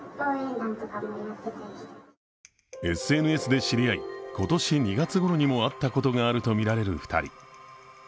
ＳＮＳで知り合い、今年２月ごろにも会ったことがあるとみられる２人。